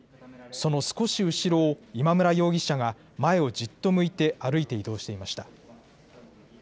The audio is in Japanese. その少し後ろを今村容疑者が前をじっと向いて歩いて移動していました。